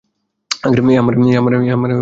A Ammara bin Walid.